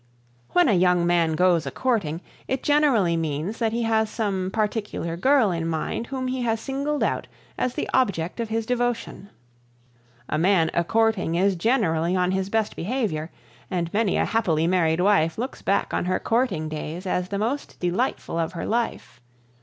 When a "young man goes a courting" it generally means that he has some particular girl in mind whom he has singled out as the object of his devotion. A man a courting is generally on his best behavior, and many a happily married wife looks back on her courting days as the most delightful of her life.